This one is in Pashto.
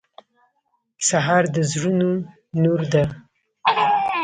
سهار د زړونو نور ده.